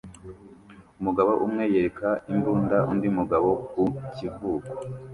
Umugabo umwe yereka imbunda undi mugabo ku kivuko